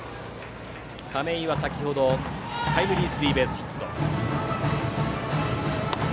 亀井は先ほどタイムリースリーベースヒット。